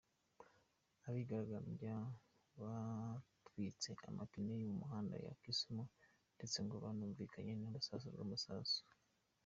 Abigaragambya batwitse amapine mu mihanda ya Kisumu ndetse ngo hanumvikanye n’urusaku rw’amasasu.